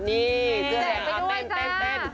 นี่เจอแนะคะ